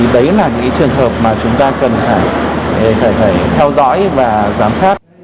đấy là những trường hợp mà chúng ta cần phải theo dõi và giám sát